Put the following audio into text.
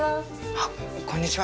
あっこんにちは。